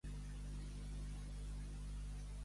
Guanyar-se la vida al llit.